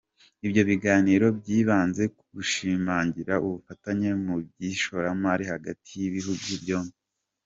Ibyo biganiro byibanze ku gushimangira ubufatanye mu by’ishoramari hagati y’ibihugu byombi.